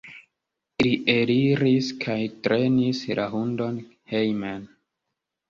Li eliris kaj trenis la hundon hejmen.